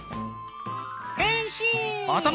変身！